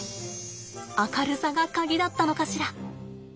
明るさが鍵だったのかしら。